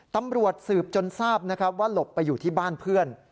ตำรวจสืบจนทราบนะครับว่าหลบไปอยู่ที่บ้านเพื่อน